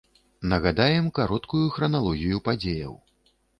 Нагадаем кароткую храналогію падзеяў.